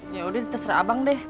ya udah terserah abang deh